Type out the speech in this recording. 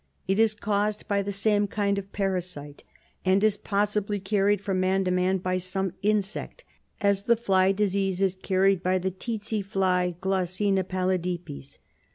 It is caused by the same kind of parasite, and is possibly carried from man to man by some insect, as the fly disease is carried by the tsetse fly {Glossina palUdipes).